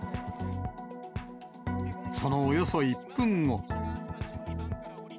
そのおよそ１分後。